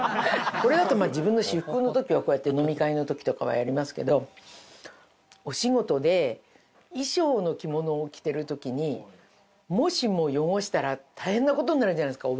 これだと自分の私服の時はこうやって飲み会の時とかはやりますけどお仕事で衣装の着物を着てる時にもしも汚したら大変な事になるじゃないですか。